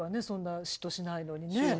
そんな嫉妬しないのにね。